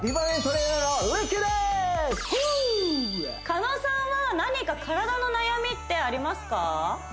狩野さんは何か体の悩みってありますか？